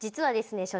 所長